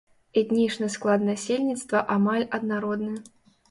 Этнічны склад насельніцтва амаль аднародны.